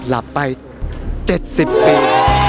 หลับไป๗๐ปี